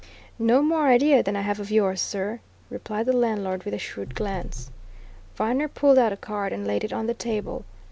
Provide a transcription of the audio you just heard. "No more idea than I have of yours, sir," replied the landlord with a shrewd glance. Viner pulled out a card and laid it on the table.